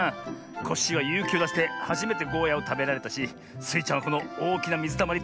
コッシーはゆうきをだしてはじめてゴーヤをたべられたしスイちゃんはこのおおきなみずたまりとびこえられたしな。